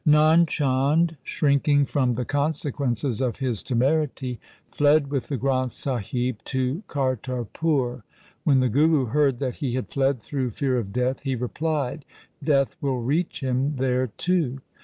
Nand Chand, shrinking from the consequences of his temerity, fled with the Granth Sahib to Kartar pur. When the Guru heard that he had fled through fear of death, he replied, ' Death will reach him there too.'